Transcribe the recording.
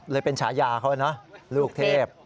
เป็นฉายาเขานะลูกเทพ